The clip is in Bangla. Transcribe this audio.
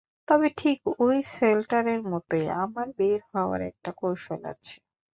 তবে ঠিক ওই শেল্টারের মতোই, আমার বের হওয়ার একটা কৌশল আছে।